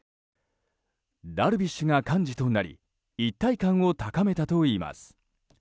ダルビッシュが幹事となり一体感を高めたといいます。